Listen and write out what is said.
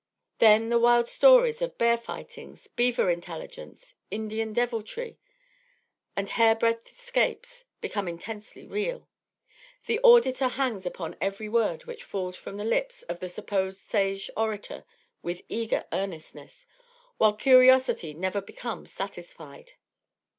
Then the wild stories of bear fightings, beaver intelligence, Indian deviltry, and hairbreadth escapes, become intensely real. The auditor hangs upon each word which falls from the lips of the supposed sage orator with eager earnestness, while curiosity never becomes satisfied.